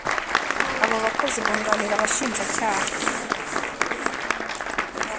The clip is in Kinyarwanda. abo bakozi bunganira abashinjacyaha